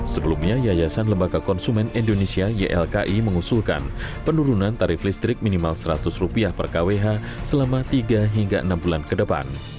sebelumnya yayasan lembaga konsumen indonesia ylki mengusulkan penurunan tarif listrik minimal seratus rupiah per kwh selama tiga hingga enam bulan ke depan